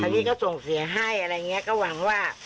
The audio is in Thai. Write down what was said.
อันนี้ก็ส่งเสียให้อะไรอย่างนี้ก็หวังว่า